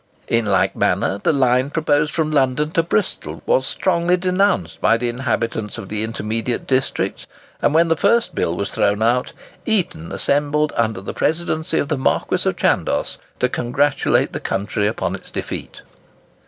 In like manner, the line projected from London to Bristol was strongly denounced by the inhabitants of the intermediate districts; and when the first bill was thrown out, Eton assembled under the presidency of the Marquis of Chandos to congratulate the country upon its defeat.